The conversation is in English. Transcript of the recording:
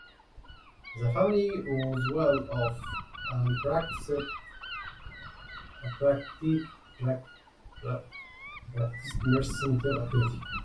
The family was well off and practiced mercantile activity.